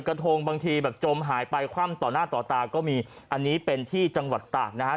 ผลิตกระทงบางทีแบบจมหายไปข้ามต่อหน้าต่อตาก็มีอันนี้เป็นที่จังหวัดตากนะครับ